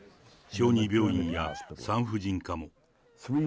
小児病院や産婦人科も。